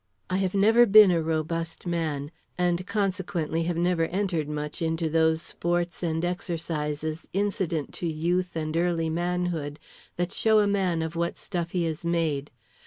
I have never been a robust man, and consequently have never entered much into those sports and exercises incident to youth and early manhood that show a man of what stuff he is made.